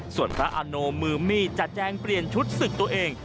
ส่วนพระอาโนมือมีดจะแจ้งเปลี่ยนชุดศึกตัวเอง